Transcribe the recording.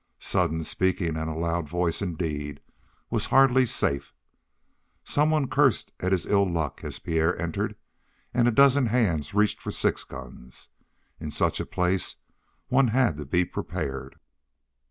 Sudden speaking, and a loud voice, indeed, was hardly safe. Someone cursed at his ill luck as Pierre entered, and a dozen hands reached for six guns. In such a place one had to be prepared.